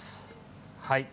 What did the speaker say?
はい。